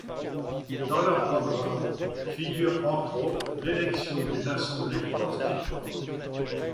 Dans leur programme, figure entre autres l'élection d'une assemblée constituante.